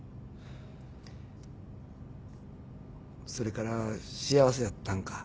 それから幸せやったんか？